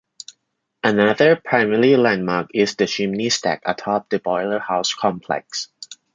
Another primary landmark is the chimney stack atop the Boiler House complex.